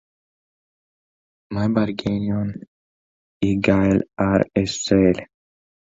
Mae bargeinion i gael ar y sêl.